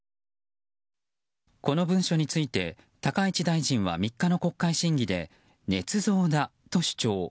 この文書について高市大臣は３日の国会審議でねつ造だと主張。